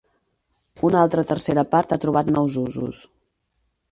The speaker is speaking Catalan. Una altra tercera part ha trobat nous usos.